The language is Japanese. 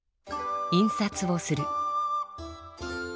印刷をする。